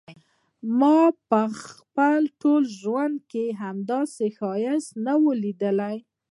ما په خپل ټول ژوند کې همداسي ښایست نه و ليدلی.